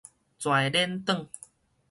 跩輾轉